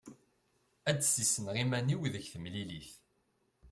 Ad d-ssisneɣ iman-iw deg temlilit.